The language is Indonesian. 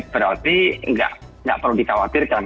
berarti nggak perlu dikhawatirkan